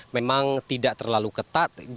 memang tidak terlalu ketat